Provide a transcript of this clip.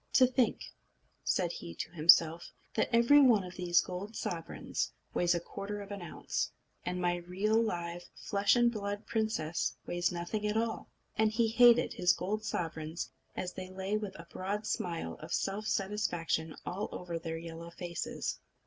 "To think," said he to himself, "that every one of these gold sovereigns weighs a quarter of an ounce, and my real, live, flesh and blood princess weighs nothing at all!" And he hated his gold sovereigns, as they lay with a broad smile of self satisfaction all over their yellow faces.